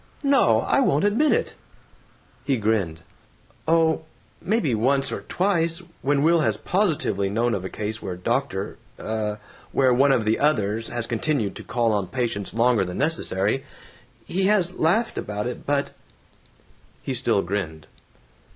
"No! I won't admit it!" He grinned. "Oh, maybe once or twice, when Will has positively known of a case where Doctor where one of the others has continued to call on patients longer than necessary, he has laughed about it, but " He still grinned.